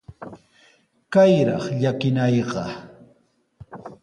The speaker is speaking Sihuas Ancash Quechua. ¡Kayraq llakinayqa!